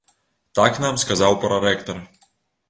Так нам сказаў прарэктар.